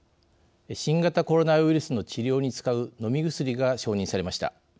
新型コロナウイルスの治療に使う飲み薬が承認されました。